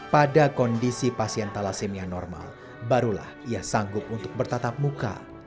pada kondisi pasien thalassemia normal barulah ia sanggup untuk bertatap muka